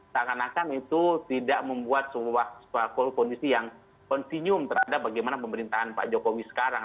seakan akan itu tidak membuat sebuah kondisi yang kontinuum terhadap bagaimana pemerintahan pak jokowi sekarang